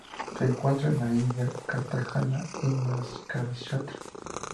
Se encuentra en la India: Karnataka y Maharashtra.